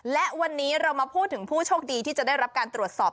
และวันนี้เรามาพูดถึงผู้โชคดีที่จะได้รับการตรวจสอบ